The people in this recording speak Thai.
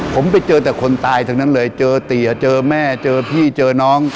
ผมไปเจอแต่คนตายทั้งนั้นเลยเจอเตี๋ยเจอแม่เจอพี่เจอน้อง